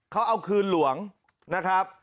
เขาเอาคืนหลวงนะครับ